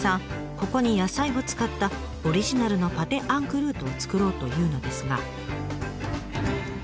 ここに野菜を使ったオリジナルのパテ・アンクルートを作ろうというのですが。